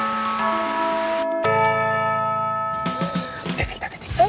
出てきた出てきた。